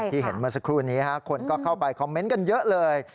เห็นเมื่อสักครู่นี้คนก็เข้าไปคอมเมนต์กันเยอะเลย